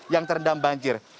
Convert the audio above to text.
yang terendam banjir